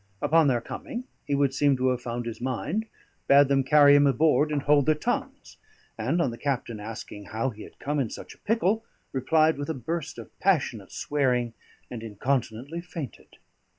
Upon their coming, he would seem to have found his mind, bade them carry him aboard, and hold their tongues; and on the captain asking how he had come in such a pickle, replied with a burst of passionate swearing, and incontinently fainted.